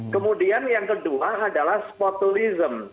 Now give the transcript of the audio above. kemudian yang kedua adalah spotulism